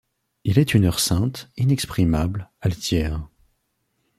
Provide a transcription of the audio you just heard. Il est une heure sainte, inexprimable, altière